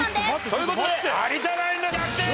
という事で有田ナインの逆転勝利！